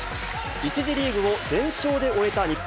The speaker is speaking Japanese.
１次リーグを全勝で終えた日本。